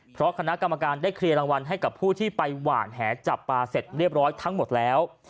เพราะคณะกรรมการได้เคลียร์รางวัลให้กับผู้ที่ไปหวานแหจับปลาเสร็จเรียบร้อยทั้งหมดแล้ว